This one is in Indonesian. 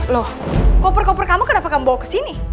loh koper koper kamu kenapa kamu bawa ke sini